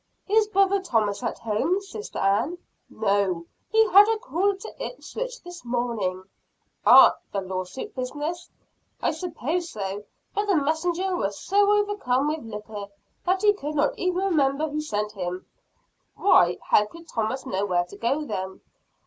"Is brother Thomas at home, Sister Ann?" "No he had a call to Ipswich this morning." "Ah the lawsuit business." "I suppose so. But the messenger was so overcome with liquor, that he could not even remember who sent him." "Why, how could Thomas know where to go then?"